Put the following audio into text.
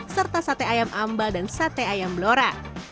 serta sate ayam ambal dan sate ayam blora